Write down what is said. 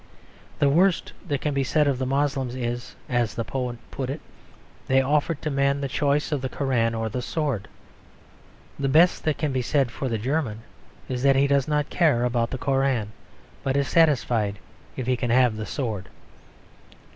The worst that can be said of the Moslems is, as the poet put it, they offered to man the choice of the Koran or the sword. The best that can be said for the German is that he does not care about the Koran, but is satisfied if he can have the sword.